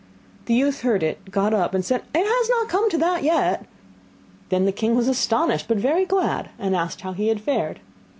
The youth heard it, got up, and said: 'It has not come to that yet.' Then the king was astonished, but very glad, and asked how he had fared.